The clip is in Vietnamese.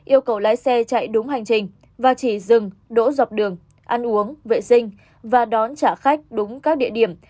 yêu cầu lái xe chạy đúng hành trình và chỉ dừng đỗ dọc đường ăn uống vệ sinh và đón trả khách đúng các địa điểm